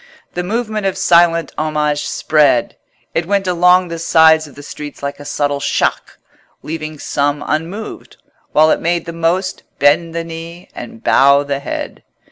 The movement of silent homage spread: it went along the sides of the streets like a subtle shock, leaving some unmoved, while it made the most bend the knee and bow the head.